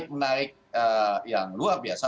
semuanya ini menarik yang luar biasa